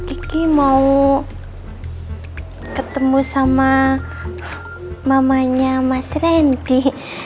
aku mau ketemu sama mamanya mas rendy